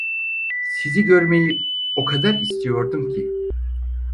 Sizi görmeyi o kadar istiyordum ki…